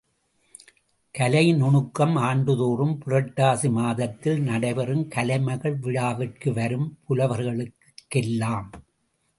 கலை நுணுக்கம் ஆண்டுதோறும் புரட்டாசி மாதத்தில் நடைபெறும் கலைமகள் விழாவிற்கு வரும் புலவர்களுக்குக்கெல்லாம்.